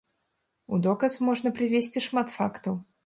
У доказ можна прывесці шмат фактаў.